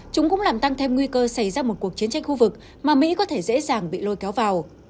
chúng cũng làm tăng thêm nguy cơ xảy ra một cuộc chiến tranh khu vực mà mỹ có thể dễ dàng bị lôi kéo vào